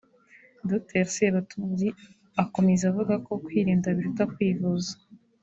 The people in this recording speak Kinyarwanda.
Dr Sebatunzi akomeza avuga ko kwirinda biruta kwivuza